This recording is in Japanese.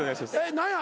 何や？